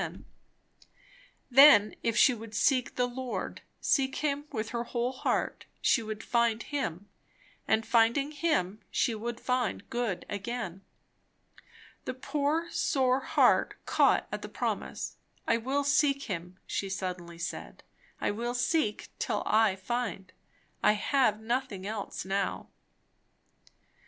Then if she would seek the Lord, seek him with her whole heart, she would find him; and finding him, she would find good again. The poor, sore heart caught at the promise. I will seek him, she suddenly said; I will seek till I find; I have nothing else now.